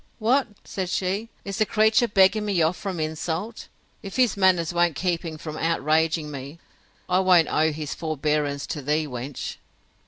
—What! said she, is the creature begging me off from insult? If his manners won't keep him from outraging me, I won't owe his forebearance to thee, wench.